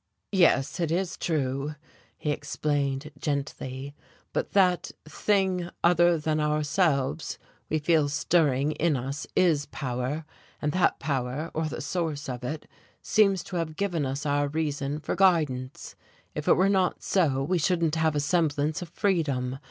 "Yes, it is true," he explained gently, "but that Thing Other than Ourselves we feel stirring in us is power, and that power, or the Source of it, seems to have given us our reason for guidance if it were not so we shouldn't have a semblance of freedom.